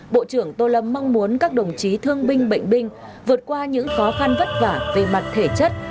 bộ trưởng tô lâm mong muốn các đồng chí thương binh bệnh binh vượt qua những khó khăn vất vả về mặt thể chất